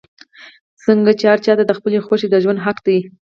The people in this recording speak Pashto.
څنګ چې هر چا ته د خپلې خوښې د ژوند حق دے